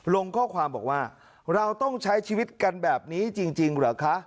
ลงข้อความบอกว่าเราต้องใช้ชีวิตกันแบบนี้จริงเหรอคะ